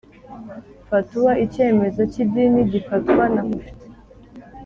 Fatuwa Icyemezo cy idini gifatwa na Mufti